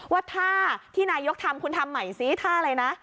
ว่าท่าที่นายกทำคุณทำใหม่ซิท่าอะไรนะ